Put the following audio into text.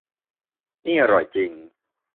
นี่อร่อยจริง